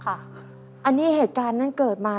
เพราะเนี้ยเหตุการณ์นั้นเกิดมา